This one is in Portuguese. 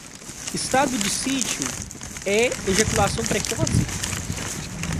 Estado de sítio é ejaculação precoce?